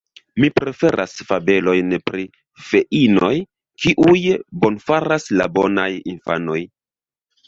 Mi preferas fabelojn pri feinoj, kiuj bonfaras al bonaj infanoj.